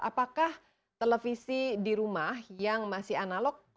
apakah televisi di rumah yang masih analog